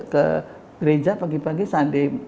ke gereja pagi pagi sandi